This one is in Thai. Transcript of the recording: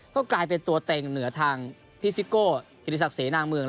ก็กลายเป็นตัวเต็งเหนือทางพี่ซิโก้กิติศักดิเสนาเมือง